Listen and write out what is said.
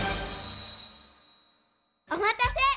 お待たせ！